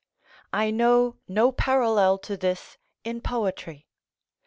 I know no parallel to this in poetry.